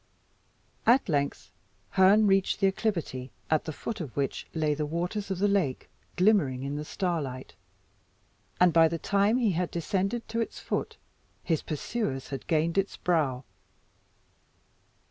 At length Herne reached the acclivity, at the foot of which lay the waters of the lake glimmering in the starlight; and by the time he had descended to its foot, his pursuers had gained its brow.